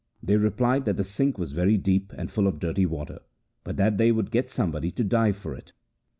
They replied that the sink was very deep and full of dirty water, but that they would get somebody to dive for it.